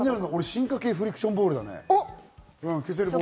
進化系フリクションボール。